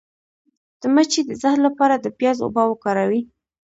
د مچۍ د زهر لپاره د پیاز اوبه وکاروئ